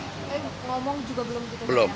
ngomong juga belum